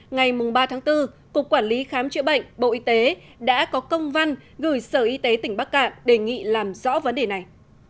ngày ba bốn cục quản lý khám chữa bệnh bộ y tế đã có công văn gửi sở y tế tỉnh bắc cạn đề nghị làm rõ vấn đề này